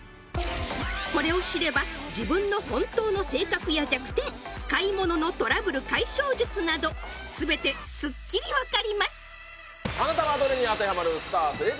これを知れば自分の本当の性格や弱点買い物のトラブル解消術など全てスッキリ分かります